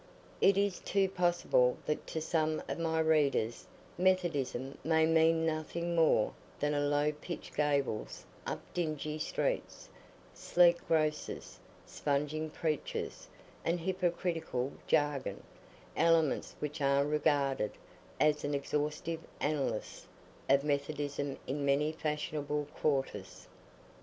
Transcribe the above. It is too possible that to some of my readers Methodism may mean nothing more than low pitched gables up dingy streets, sleek grocers, sponging preachers, and hypocritical jargon—elements which are regarded as an exhaustive analysis of Methodism in many fashionable quarters.